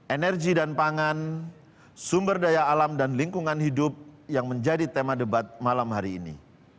energi dan pangan sumber daya alam dan lingkungan hidup yang menjadi tema debat malam hari ini